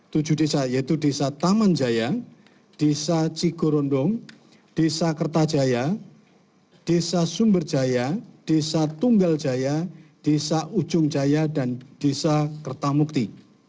tujuh desa yaitu desa taman jaya desa cigorondong desa kertajaya desa sumberjaya desa tunggal jaya desa ujung jaya dan desa kertamukti